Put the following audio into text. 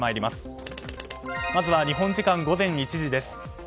まずは日本時間午前１時です。